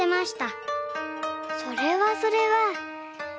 それはそれは。